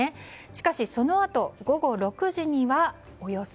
しかし、そのあと午後６時にはおよそ２ｍ。